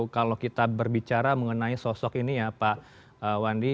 kalau kita berbicara mengenai sosok ini ya pak wandi